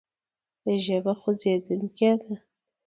ژبه خوځېدونکې ده.